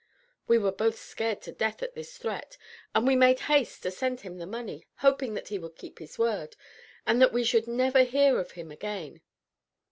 We were both scared to death at this threat, and we made haste to send him the money, hoping that he would keep his word, and that we should never hear of him again.